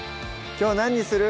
きょう何にする？